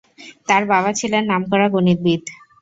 তার বাবা ছিলেন নামকরা গণিতবিদ।